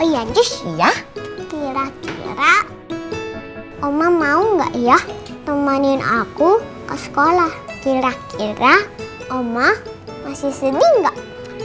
ya kira kira oma mau enggak ya temanin aku ke sekolah kira kira oma masih sedih enggak